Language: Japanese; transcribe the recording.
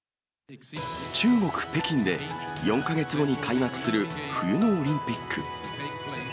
中国・北京で４か月後に開幕する、冬のオリンピック。